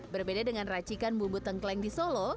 berbeda dengan racikan bumbu tengkleng di solo